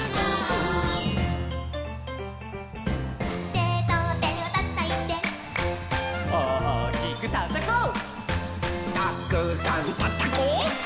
「テトテをたたいて」「おおきくたたこう」「たくさんたたこう」